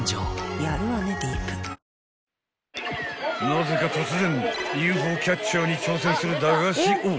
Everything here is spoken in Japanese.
［なぜか突然ＵＦＯキャッチャーに挑戦する駄菓子王］